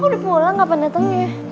udah pulang kapan datangnya